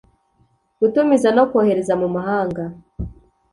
Gutumiza no kohereza mu mahanga